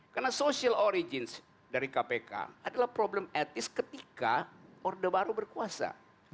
karena social origins dari kpk adalah problem etnis ketika order baru berkuasa